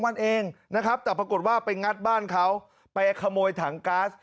วันเองนะครับแต่ปรากฏว่าไปงัดบ้านเขาไปขโมยถังก๊าซ